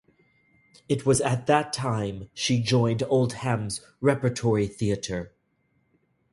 It was at that time she joined Oldham's Repertory Theatre.